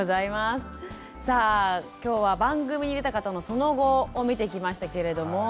さあ今日は番組に出た方のその後を見てきましたけれども。